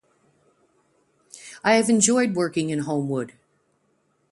I have enjoyed working in Homewood.